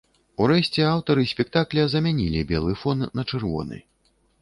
Урэшце аўтары спектакля замянілі белы фон на чырвоны.